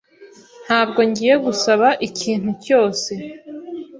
Ntabwo ngiye gusaba ikintu cyose